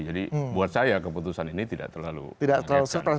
jadi buat saya keputusan ini tidak terlalu surprise